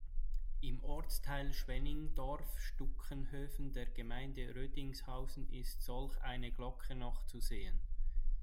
Im Ortsteil Schwenningdorf-Stukenhöfen der Gemeinde Rödinghausen ist solch eine Glocke noch zu sehen.